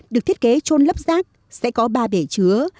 được thiết kế trôn lấp rác sẽ có ba bể chứa